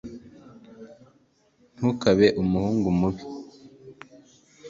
ntukabe umuhungu mubi